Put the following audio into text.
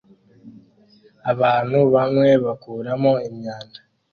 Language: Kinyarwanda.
Abantu bamwe bakuramo imyanda